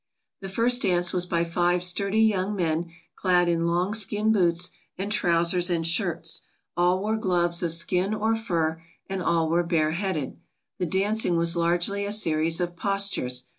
The first dance was by five sturdy young men clad in long skin boots and trousers and shirts. All wore gloves of skin or fur, and all were bareheaded. The dancing was largely a series of postures.